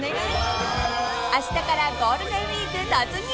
［あしたからゴールデンウィーク突入］